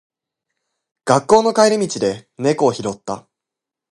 学校の帰り道で猫を拾った。